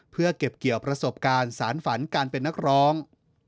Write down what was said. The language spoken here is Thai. เพื่อเก็บเกี่ยวประสบการณ์สารฝันการเป็นนักร้อง